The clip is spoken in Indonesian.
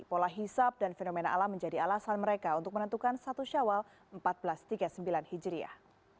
pola hisap dan fenomena alam menjadi alasan mereka untuk menentukan satu syawal seribu empat ratus tiga puluh sembilan hijriah